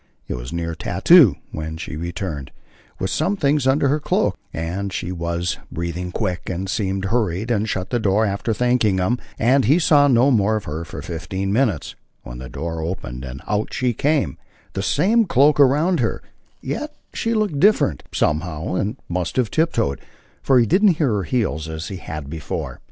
It was near tattoo when she returned, with some things under her cloak, and she was breathing quick and seemed hurried and shut the door after thanking him, and he saw no more of her for fifteen minutes, when the door opened and out she came, the same cloak around her, yet she looked different, somehow, and must have tiptoed, for he didn't hear her heels as he had before.